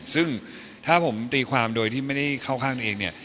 ซึ่งถ้าผมตีความโดยที่ไม่ได้เข้าข้างเอง